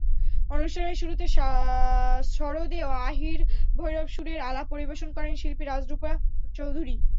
অনুষ্ঠানের শুরুতে সরোদে আহির-ভৈরব সুরের আলাপ পরিবেশন করেন শিল্পী রাজরূপা চৌধুরী।